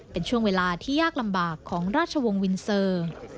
เป็นช่วงเวลาที่ยากลำบากของราชวงศ์วินเซอร์